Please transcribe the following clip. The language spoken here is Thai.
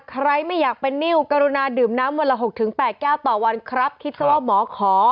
ใครไม่อยากเป็นนิ้วกรุณาดื่มน้ำวันละ๖๘แก้วต่อวันครับคิดซะว่าหมอขอ